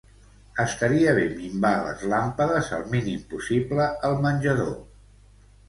Estaria bé minvar les làmpades al mínim possible al menjador.